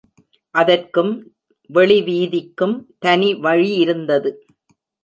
அதற்கும், வெளி வீதிக்கும் தனி வழியிருந்தது.